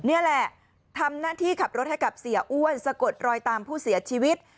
นี่แหละทำหน้าที่ขับรถให้กับเสียอ้วนสะกดรอยตามผู้เสียชีวิต